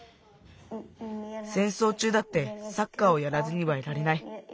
「せんそうちゅうだってサッカーをやらずにはいられない。